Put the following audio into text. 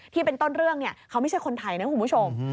ที่เป็นต้นเรื่องเขาไม่ใช่คนไทยนะคุณผู้ชม